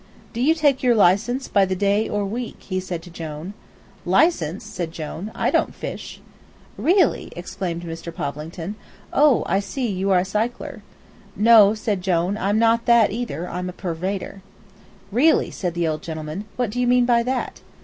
"Do you take your license by the day or week?" he said to Jone. "License!" said Jone, "I don't fish." "Really!" exclaimed Mr. Poplington. "Oh, I see, you are a cycler." "No," said Jone, "I'm not that, either, I'm a pervader." "Really!" said the old gentleman; "what do you mean by that?"